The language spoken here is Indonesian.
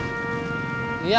mau kemana lo